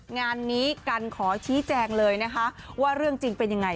งานนี้กันขอชี้แจงเลยนะคะว่าเรื่องจริงเป็นยังไง